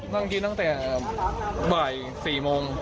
นั่งกินตั้งแต่บ่าย๔โมง